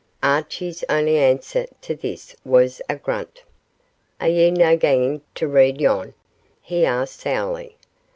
Archie's only answer to this was a grunt. 'Are ye no gangin' tae read yon?' he asked sourly.